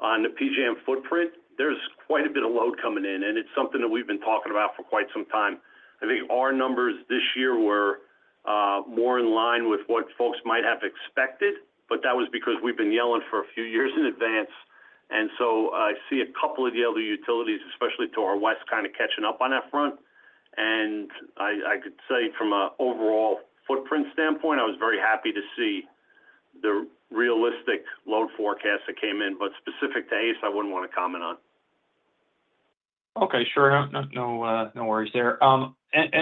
on the PJM footprint, there's quite a bit of load coming in, and it's something that we've been talking about for quite some time. I think our numbers this year were more in line with what folks might have expected, but that was because we've been yelling for a few years in advance. And so I see a couple of the other utilities, especially to our west, kind of catching up on that front. And I could say from an overall footprint standpoint, I was very happy to see the realistic load forecast that came in, but specific to ACE, I wouldn't want to comment on. Okay. Sure. No worries there. And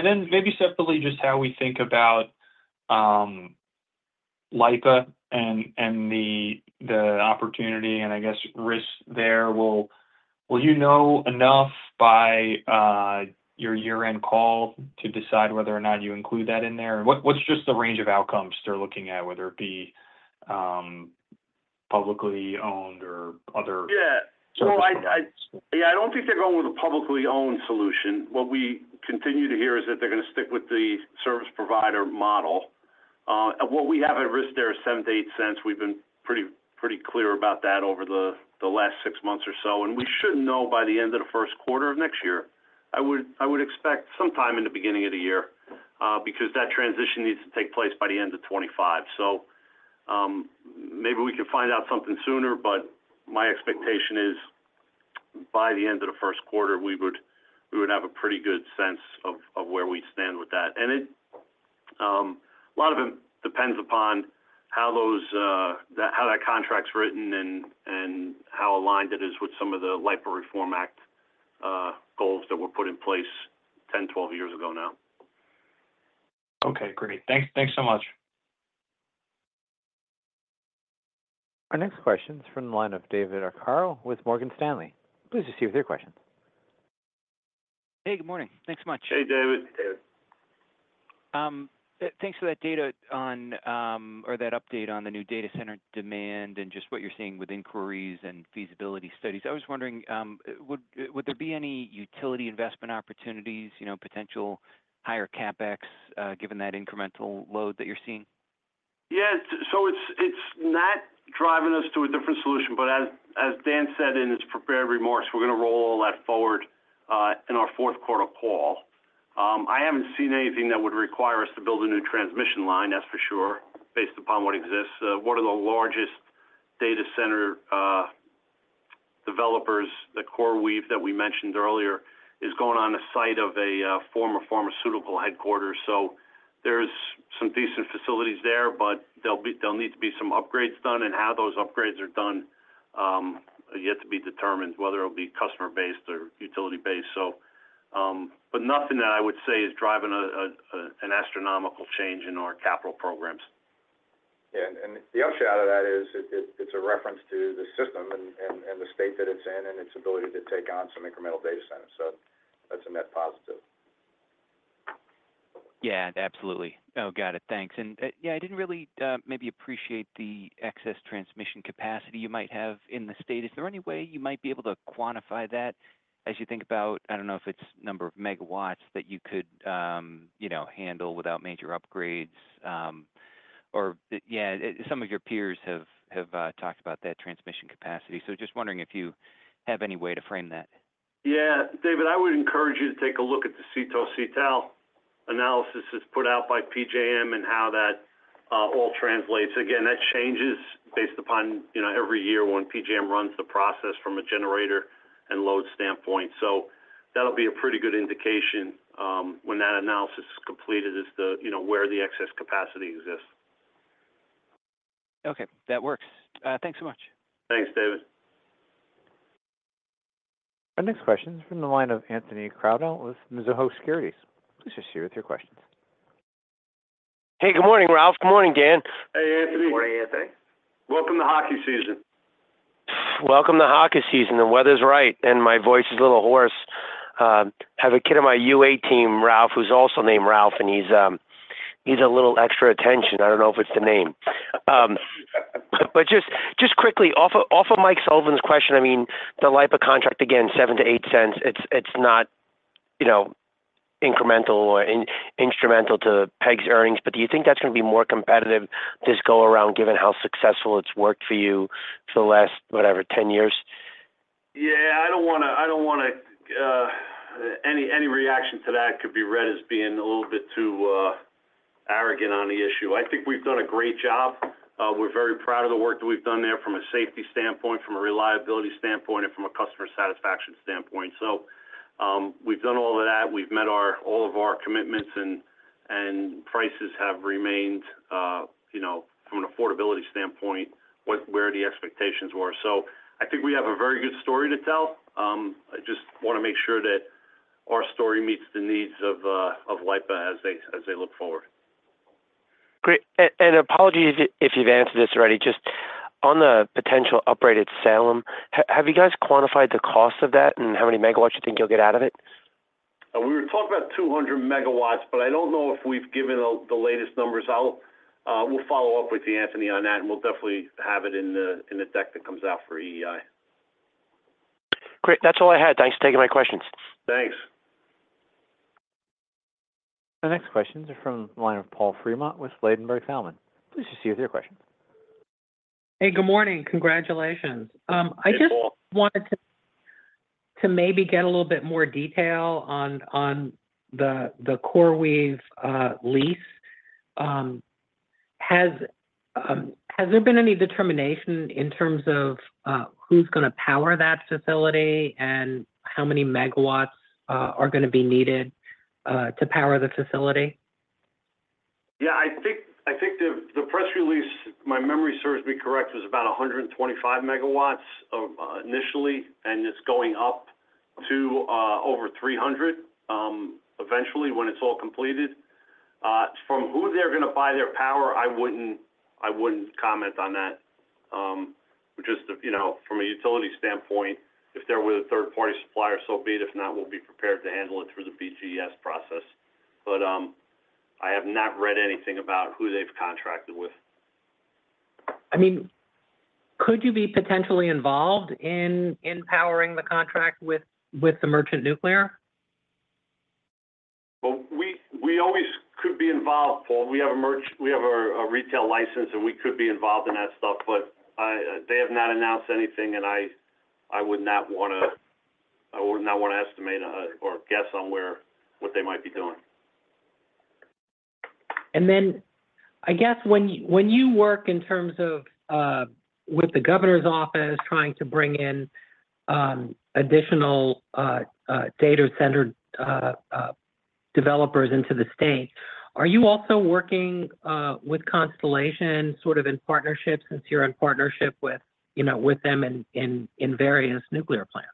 then maybe separately, just how we think about LIPA and the opportunity and, I guess, risk there. Will you know enough by your year-end call to decide whether or not you include that in there? What's just the range of outcomes they're looking at, whether it be publicly owned or other services? Yeah. No, I don't think they're going with a publicly owned solution. What we continue to hear is that they're going to stick with the service provider model. What we have at risk there is $0.07-$0.08. We've been pretty clear about that over the last six months or so. And we should know by the end of the first quarter of next year. I would expect sometime in the beginning of the year because that transition needs to take place by the end of 2025. So maybe we can find out something sooner, but my expectation is by the end of the first quarter, we would have a pretty good sense of where we stand with that. And a lot of it depends upon how that contract's written and how aligned it is with some of the LIPA Reform Act goals that were put in place 10, 12 years ago now. Okay. Great. Thanks so much. Our next question is from the line of David Arcaro with Morgan Stanley. Please proceed with your questions. Hey, good morning. Thanks so much. Hey, David. Hey, David. Thanks for that data on or that update on the new data center demand and just what you're seeing with inquiries and feasibility studies. I was wondering, would there be any utility investment opportunities, potential higher CapEx, given that incremental load that you're seeing? Yeah. So it's not driving us to a different solution, but as Dan said in his prepared remarks, we're going to roll all that forward in our fourth quarter call. I haven't seen anything that would require us to build a new transmission line, that's for sure, based upon what exists. One of the largest data center developers, the CoreWeave that we mentioned earlier, is going on the site of a former pharmaceutical headquarters. So there's some decent facilities there, but there'll need to be some upgrades done. And how those upgrades are done, yet to be determined, whether it'll be customer-based or utility-based. But nothing that I would say is driving an astronomical change in our capital programs. Yeah. And the upshot of that is it's a reference to the system and the state that it's in and its ability to take on some incremental data centers. So that's a net positive. Yeah. Absolutely. Oh, got it. Thanks. And yeah, I didn't really maybe appreciate the excess transmission capacity you might have in the state. Is there any way you might be able to quantify that as you think about, I don't know if it's number of megawatts that you could handle without major upgrades? Or yeah, some of your peers have talked about that transmission capacity. So just wondering if you have any way to frame that. Yeah. David, I would encourage you to take a look at the CETO/CETL analysis that's put out by PJM and how that all translates. Again, that changes based upon every year when PJM runs the process from a generator and load standpoint. So that'll be a pretty good indication when that analysis is completed as to where the excess capacity exists. Okay. That works. Thanks so much. Thanks, David. Our next question is from the line of Anthony Crowdell with Mizuho Securities. Please proceed with your questions. Hey, good morning, Ralph. Good morning, Dan. Hey, Anthony. Good morning, Anthony. Welcome to hockey season. The weather's right, and my voice is a little hoarse. I have a kid on my U8 team, Ralph, who's also named Ralph, and he's a little extra attention. I don't know if it's the name. But just quickly, off of Mike Sullivan's question, I mean, the LIPA contract, again, $0.07-$0.08. It's not incremental or instrumental to PSEG's earnings, but do you think that's going to be more competitive this go-around given how successful it's worked for you for the last, whatever, 10 years? Yeah. I don't want to any reaction to that could be read as being a little bit too arrogant on the issue. I think we've done a great job. We're very proud of the work that we've done there from a safety standpoint, from a reliability standpoint, and from a customer satisfaction standpoint. So we've done all of that. We've met all of our commitments, and prices have remained from an affordability standpoint where the expectations were. So I think we have a very good story to tell. I just want to make sure that our story meets the needs of LIPA as they look forward. Great. And apologies if you've answered this already. Just on the potential uprate at Salem, have you guys quantified the cost of that and how many megawatts you think you'll get out of it? We were talking about 200 megawatts, but I don't know if we've given the latest numbers out. We'll follow up with you, Anthony, on that, and we'll definitely have it in the deck that comes out for EEI. Great. That's all I had. Thanks for taking my questions. Thanks. Our next questions are from the line of Paul Fremont with Ladenburg Thalmann. Please proceed with your questions. Hey, good morning. Congratulations. I just wanted to maybe get a little bit more detail on the CoreWeave lease. Has there been any determination in terms of who's going to power that facility and how many megawatts are going to be needed to power the facility? Yeah. I think the press release, if my memory serves me correct, was about 125 megawatts initially, and it's going up to over 300 eventually when it's all completed. From who they're going to buy their power, I wouldn't comment on that. Just from a utility standpoint, if they're with a third-party supplier, so be it. If not, we'll be prepared to handle it through the BGS process. But I have not read anything about who they've contracted with. I mean, could you be potentially involved in powering the contract with the Merchant Nuclear? Well, we always could be involved, Paul. We have a retail license, and we could be involved in that stuff, but they have not announced anything, and I would not want to estimate or guess on what they might be doing. Then I guess when you work in terms of with the governor's office trying to bring in additional data center developers into the state, are you also working with Constellation sort of in partnership since you're in partnership with them in various nuclear plants?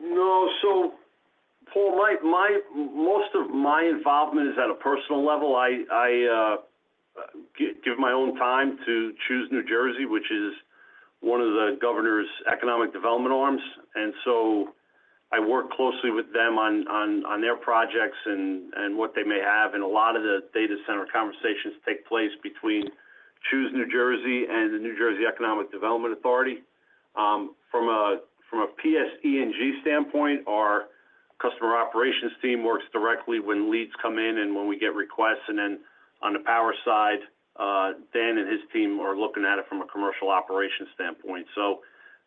No. So Paul, most of my involvement is at a personal level. I give my own time to Choose New Jersey, which is one of the governor's economic development arms. And so I work closely with them on their projects and what they may have. And a lot of the data center conversations take place between Choose New Jersey and the New Jersey Economic Development Authority. From a PSE&G standpoint, our customer operations team works directly when leads come in and when we get requests. And then on the power side, Dan and his team are looking at it from a commercial operations standpoint. So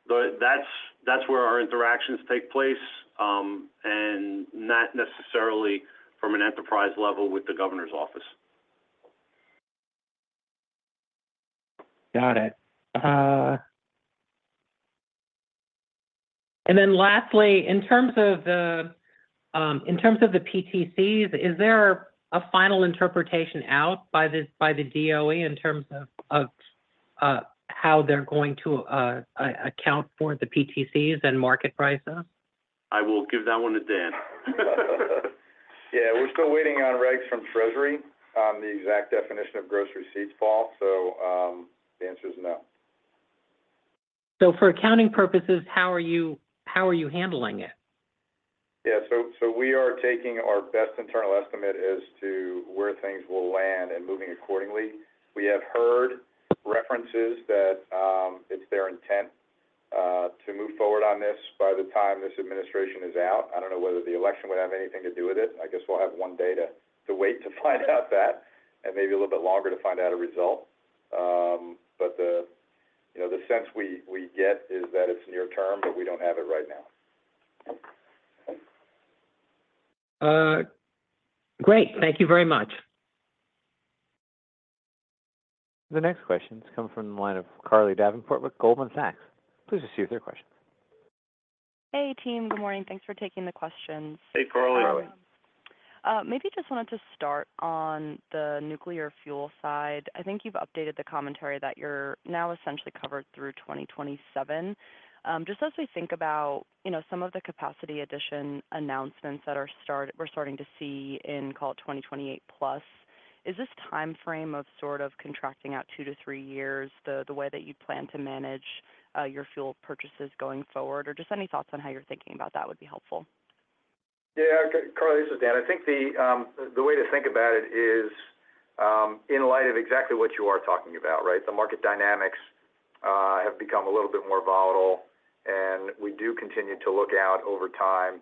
that's where our interactions take place and not necessarily from an enterprise level with the governor's office. Got it. And then lastly, in terms of the PTCs, is there a final interpretation out by the DOE in terms of how they're going to account for the PTCs and market prices? I will give that one to Dan. Yeah. We're still waiting on regs from Treasury on the exact definition of gross receipts, Paul. So the answer is no. So for accounting purposes, how are you handling it? Yeah. So we are taking our best internal estimate as to where things will land and moving accordingly. We have heard references that it's their intent to move forward on this by the time this administration is out. I don't know whether the election would have anything to do with it. I guess we'll have one day to wait to find out that and maybe a little bit longer to find out a result. But the sense we get is that it's near term, but we don't have it right now. Great. Thank you very much. The next questions come from the line of Carly Davenport with Goldman Sachs. Please proceed with your questions. Hey, team. Good morning. Thanks for taking the questions. Hey, Carly. Maybe I just wanted to start on the nuclear fuel side. I think you've updated the commentary that you're now essentially covered through 2027. Just as we think about some of the capacity addition announcements that we're starting to see in, call it, 2028 plus, is this timeframe of sort of contracting out two to three years the way that you'd plan to manage your fuel purchases going forward? Or just any thoughts on how you're thinking about that would be helpful. Yeah. Carly, this is Dan. I think the way to think about it is in light of exactly what you are talking about, right? The market dynamics have become a little bit more volatile, and we do continue to look out over time.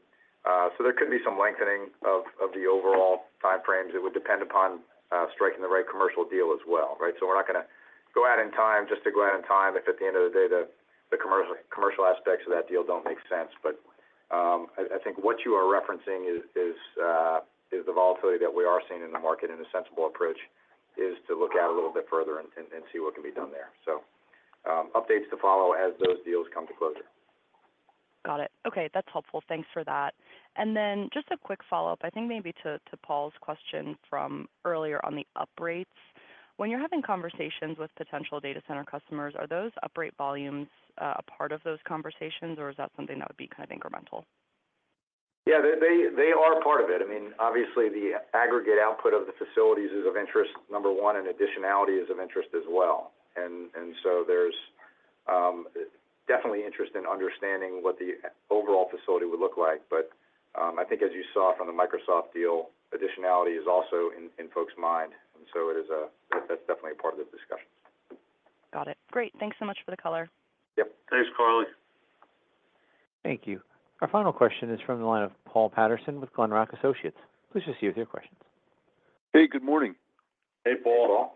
So there could be some lengthening of the overall timeframes. It would depend upon striking the right commercial deal as well, right? So we're not going to go out in time just to go out in time if at the end of the day the commercial aspects of that deal don't make sense. But I think what you are referencing is the volatility that we are seeing in the market and a sensible approach is to look a little bit further and see what can be done there. So updates to follow as those deals come to closure. Got it. Okay. That's helpful. Thanks for that. And then just a quick follow-up, I think maybe to Paul's question from earlier on the uprates. When you're having conversations with potential data center customers, are those uprate volumes a part of those conversations, or is that something that would be kind of incremental? Yeah. They are part of it. I mean, obviously, the aggregate output of the facilities is of interest, number one, and additionality is of interest as well. And so there's definitely interest in understanding what the overall facility would look like. But I think as you saw from the Microsoft deal, additionality is also in folks' mind. And so that's definitely a part of the discussion. Got it. Great. Thanks so much for the color. Yep. Thanks, Carly. Thank you. Our final question is from the line of Paul Patterson with Glenrock Associates. Please proceed with your questions. Hey, good morning. Hey, Paul.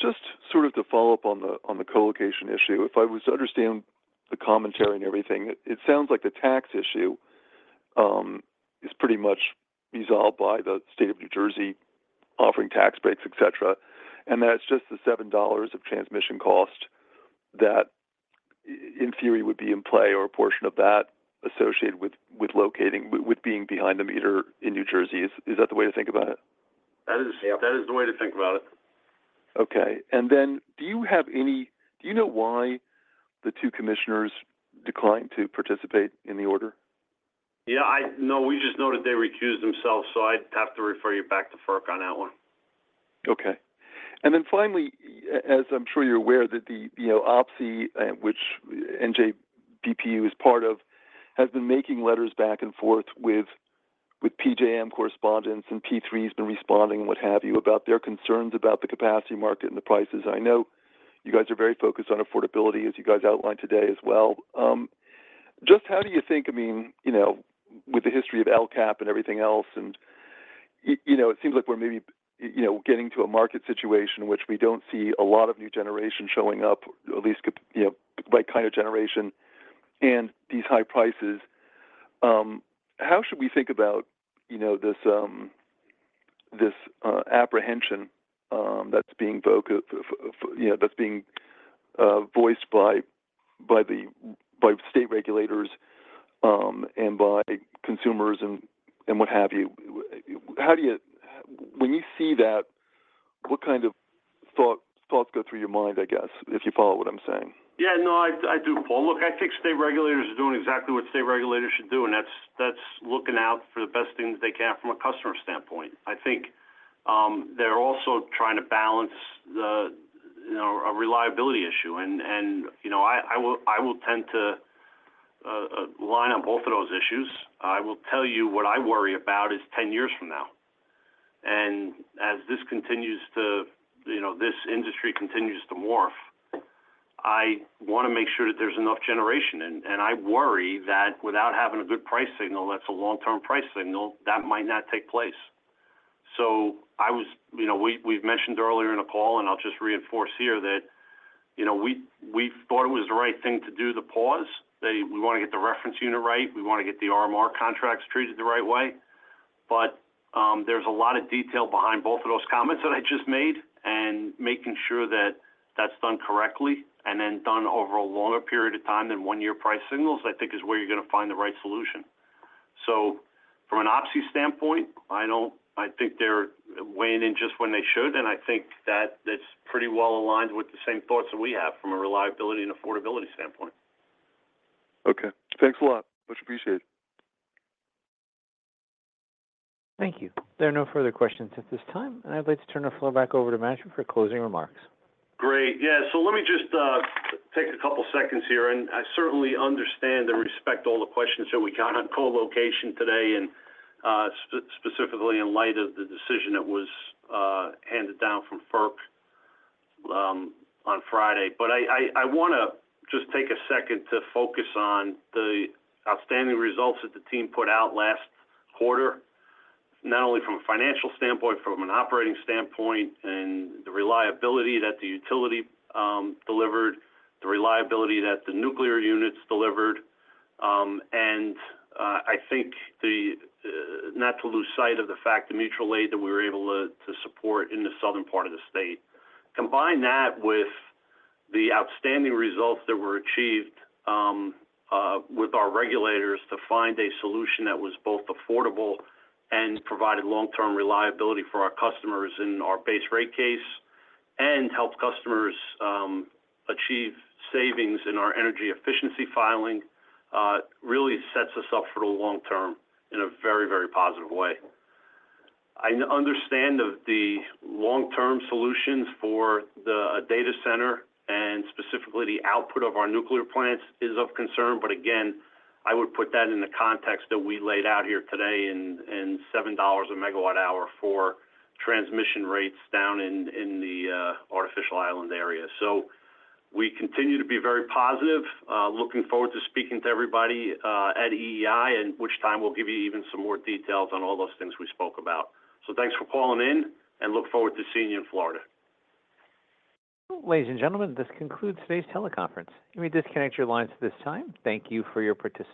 Just sort of to follow up on the co-location issue. If I was to understand the commentary and everything, it sounds like the tax issue is pretty much resolved by the state of New Jersey offering tax breaks, et cetera. And that's just the $7 of transmission cost that, in theory, would be in play or a portion of that associated with locating, with being behind the meter in New Jersey. Is that the way to think about it? That is the way to think about it. Okay. And then do you know why the two commissioners declined to participate in the order? Yeah. No, we just know that they recused themselves. So I'd have to refer you back to FERC on that one. Okay. And then finally, as I'm sure you're aware, the OPSI, which NJBPU is part of, has been making letters back and forth with PJM correspondents, and P3 has been responding and what have you about their concerns about the capacity market and the prices. I know you guys are very focused on affordability, as you guys outlined today as well. Just how do you think, I mean, with the history of LCAPP and everything else, and it seems like we're maybe getting to a market situation in which we don't see a lot of new generation showing up, at least by kind of generation, and these high prices. How should we think about this apprehension that's being voiced by the state regulators and by consumers and what have you? When you see that, what kind of thoughts go through your mind, I guess, if you follow what I'm saying? Yeah. No, I do, Paul. Look, I think state regulators are doing exactly what state regulators should do, and that's looking out for the best things they can from a customer standpoint. I think they're also trying to balance a reliability issue. And I will tend to line on both of those issues. I will tell you what I worry about is 10 years from now. And as this continues to this industry continues to morph, I want to make sure that there's enough generation. And I worry that without having a good price signal, that's a long-term price signal, that might not take place. So we've mentioned earlier in a call, and I'll just reinforce here that we thought it was the right thing to do the pause. We want to get the reference unit right. We want to get the RMR contracts treated the right way. But there's a lot of detail behind both of those comments that I just made. And making sure that that's done correctly and then done over a longer period of time than one-year price signals, I think, is where you're going to find the right solution. So from an OPSI standpoint, I think they're weighing in just when they should. And I think that it's pretty well aligned with the same thoughts that we have from a reliability and affordability standpoint. Okay. Thanks a lot. Much appreciated. Thank you. There are no further questions at this time. And I'd like to turn the floor back over to management for closing remarks. Great. Yeah. So let me just take a couple of seconds here. And I certainly understand and respect all the questions that we got on co-location today, and specifically in light of the decision that was handed down from FERC on Friday. But I want to just take a second to focus on the outstanding results that the team put out last quarter, not only from a financial standpoint, from an operating standpoint, and the reliability that the utility delivered, the reliability that the nuclear units delivered. And I think not to lose sight of the fact the Mutual Aid that we were able to support in the southern part of the state. Combine that with the outstanding results that were achieved with our regulators to find a solution that was both affordable and provided long-term reliability for our customers in our base rate case and helped customers achieve savings in our energy efficiency filing, really sets us up for the long term in a very, very positive way. I understand the long-term solutions for the data center and specifically the output of our nuclear plants is of concern. But again, I would put that in the context that we laid out here today, and $7 a megawatt hour for transmission rates down in the Artificial Island area. So we continue to be very positive. Looking forward to speaking to everybody at EEI, at which time we'll give you even some more details on all those things we spoke about. So thanks for calling in, and look forward to seeing you in Florida. Ladies and gentlemen, this concludes today's teleconference. You may disconnect your lines at this time. Thank you for your participation.